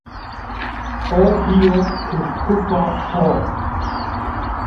O bîyo kufkufa xo